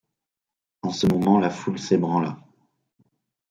En ce moment, la foule s’ébranla.